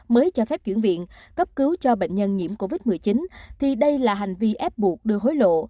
mới cho phép chuyển viện cấp cứu cho bệnh nhân nhiễm covid một mươi chín thì đây là hành vi ép buộc đưa hối lộ